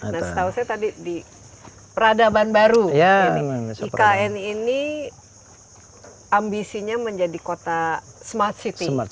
nah setahu saya tadi di peradaban baru ikn ini ambisinya menjadi kota smart city